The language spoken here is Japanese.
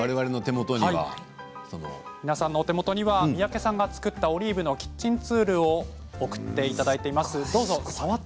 三宅さんが作ったオリーブのキッチンツールを送っていただいています。